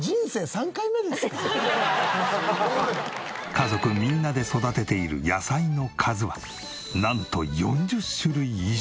家族みんなで育てている野菜の数はなんと４０種類以上！